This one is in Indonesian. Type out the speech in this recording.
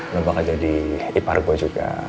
lo bakal jadi ipar gua juga